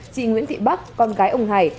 chị nguyễn thị bắc con gái ông hải